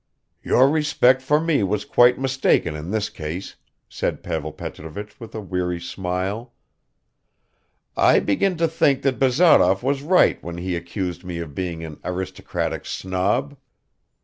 "Your respect for me was quite mistaken in this case," said Pavel Petrovich with a weary smile. "I begin to think that Bazarov was right when he accused me of being an aristocratic snob.